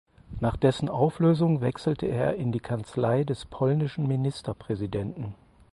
Nach dessen Auflösung wechselte er in die Kanzlei des polnischen Ministerpräsidenten.